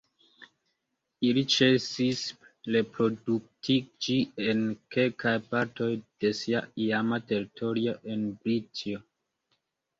Ili ĉesis reproduktiĝi en kelkaj partoj de sia iama teritorio en Britio.